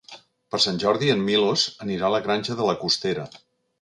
Per Sant Jordi en Milos anirà a la Granja de la Costera.